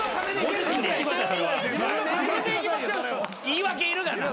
言い訳いるがな。